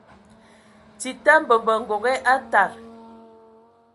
Tita mbembə ngoge aa tad.